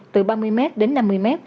từ ba mươi m đến năm mươi m